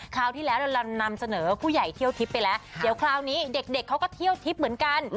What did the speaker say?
คราวที่แล้วเรานำเสนอผู้ใหญ่เที่ยวทิพย์ไปแล้วเดี๋ยวคราวนี้เด็กเขาก็เที่ยวทิพย์เหมือนกัน